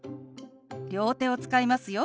両手を使いますよ。